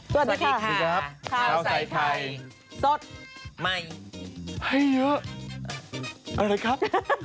สวัสดีค่ะสวัสดีครับข้าวใส่ไข่สดใหม่ให้เยอะอะไรครับ